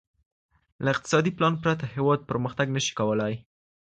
له اقتصادي پلان پرته هېواد پرمختګ نشي کولای.